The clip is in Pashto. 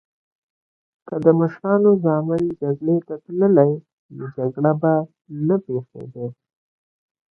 که د مشرانو ځامن جګړی ته تللی نو جګړې به نه پیښیدی